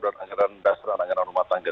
dan anggaran dasar anggaran rumah tangga